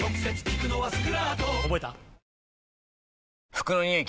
服のニオイ